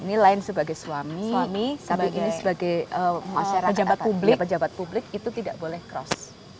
ini line sebagai suami sebagai pejabat publik itu tidak boleh cross